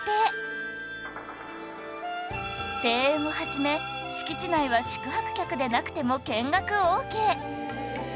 庭園を始め敷地内は宿泊客でなくても見学オーケー